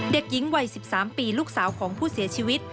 เด็กหญิงวัย๑๓ปีลูกสาวของผู้เสียชีวิต